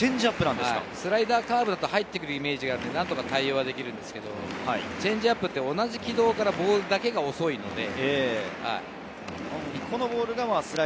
スライダー、カーブだと入ってくるイメージがあるので対応できるんですけれど、チェンジアップは同じ軌道からボールだけが遅いので。